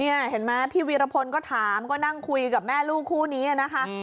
เห็นไหมพี่วีรพลก็ถามก็นั่งคุยกับแม่ลูกคู่นี้นะคะ